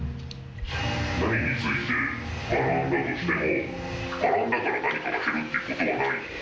何について学んだとしても、学んだから何かが減るっていうことはない。